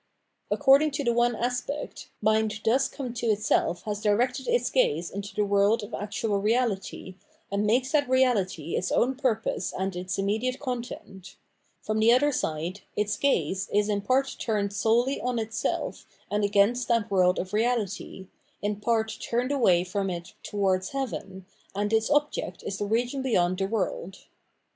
According to the one aspect, mind thus come to itself has directed its gaze into the world of actual reahty, and makes that reahty its own purpose and its immediate content ; from the other side, its gaze is in part turned solely on itself and against that world of reality, in part turned away from it towards heaven, and its object is the region beyond the world.